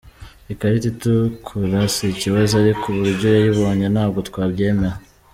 Ikarita itukura si ikibazo ariko uburyo yayibonye ntabwo twabyemera.